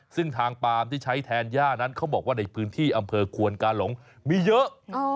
ซึ่งทางปามที่ใช้แทนย่านั้นเขาบอกว่าในพื้นที่อำเภอควนกาหลงมีเยอะ